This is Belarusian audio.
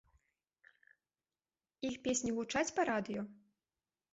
Іх песні гучаць па радыё?